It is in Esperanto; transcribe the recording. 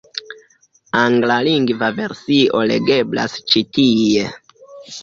Anglalingva versio legeblas ĉi tie.